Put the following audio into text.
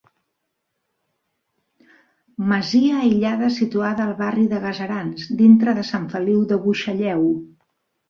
Masia aïllada situada al barri de Gaserans, dintre de Sant Feliu de Buixalleu.